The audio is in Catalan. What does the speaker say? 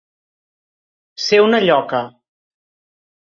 Ser una lloca.